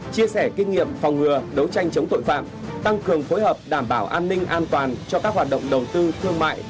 chia sẻ kinh nghiệm phòng ngừa đấu tranh chống tội phạm tăng cường phối hợp đảm bảo an ninh an toàn cho các hoạt động đầu tư thương mại